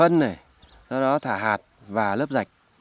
sau đó thì thả phân này sau đó thả hạt và lấp rạch